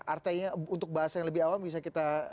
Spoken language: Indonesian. artinya untuk bahasa yang lebih awam bisa kita